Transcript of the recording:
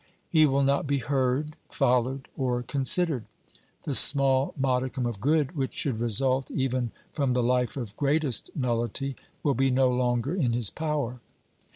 He will not be heard, followed, or considered. The small modicum of good which should result even from the life of greatest nullity will be no longer in his power.